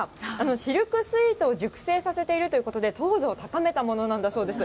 シルクスイートを熟成させているということで、糖度を高めたものなんだそうです。